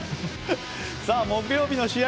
木曜日の試合